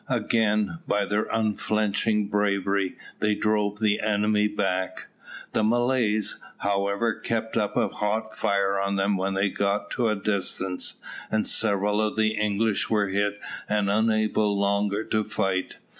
Again, by their unflinching bravery, they drove the enemy back. The Malays, however, kept up a hot fire at them when they got to a distance, and several of the English were hit and unable longer to fight.